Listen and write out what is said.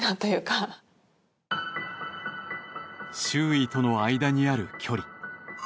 周囲との間にある距離。